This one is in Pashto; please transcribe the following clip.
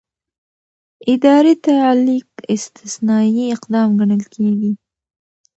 اداري تعلیق استثنايي اقدام ګڼل کېږي.